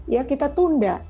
ya kita tunda